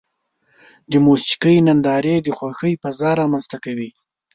د موسیقۍ نندارې د خوښۍ فضا رامنځته کوي.